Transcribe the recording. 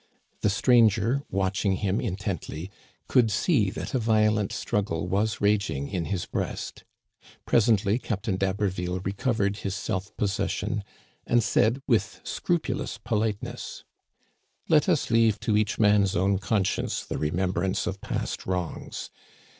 The stranger, watching him intently, could see that a violent struggle was raging in his breast. Presently Captain d'Haberville recovered his self pos session and said, with scrupulous politeness :" Let us leave to each man's own conscience the re membrance of past wrongs.